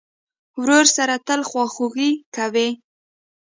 ورور سره تل خواخوږي کوې.